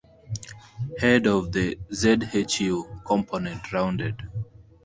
Head of the "zhu" component rounded.